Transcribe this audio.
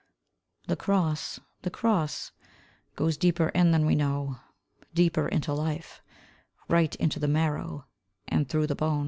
The Cross, the Cross Goes deeper in than we know, Deeper into life; Right into the marrow And through the bone.